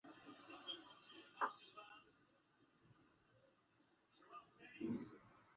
Mtu ni moyo hariri, mwenye imani na watu